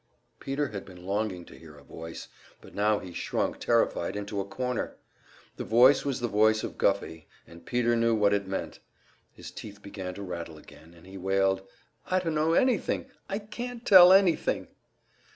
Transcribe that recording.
Peter had been longing to hear a voice; but now he shrunk terrified into a corner. The voice was the voice of Guffey, and Peter knew what it meant. His teeth began to rattle again, and he wailed, "I dunno anything! I can't tell anything!"